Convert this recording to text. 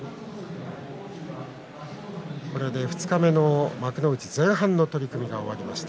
二日目の幕内前半の取組が終わりました。